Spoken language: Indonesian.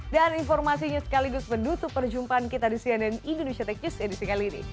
dan informasinya sekaligus menutup perjumpaan kita di cnn indonesia tech news edisi kali ini